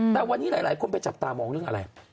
แต่วันนี้หลายคนไปจับตามองเรื่องอะไร